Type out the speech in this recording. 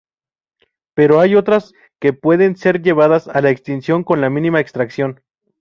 Pero hay otras que pueden ser llevadas a la extinción con la mínima extracción.